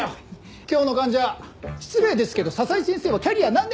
今日の患者失礼ですけど佐々井先生はキャリア何年ですか？